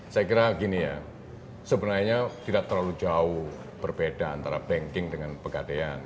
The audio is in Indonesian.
saya kira gini ya sebenarnya tidak terlalu jauh berbeda antara banking dengan pegadean